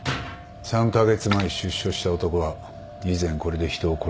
３カ月前出所した男は以前これで人を殺してる。